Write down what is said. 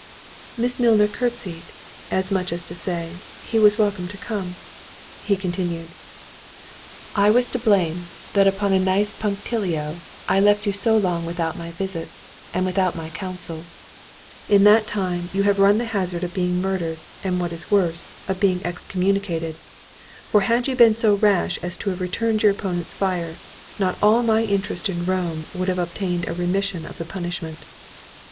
Miss Milner curtsied, as much as to say, he was welcome to come. He continued, "I was to blame, that upon a nice punctilio, I left you so long without my visits, and without my counsel; in that time, you have run the hazard of being murdered, and what is worse, of being excommunicated; for had you been so rash as to have returned your opponent's fire, not all my interest at Rome would have obtained remission of the punishment."